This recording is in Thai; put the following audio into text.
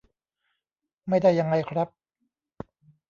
ไม่ได้ยังไงครับ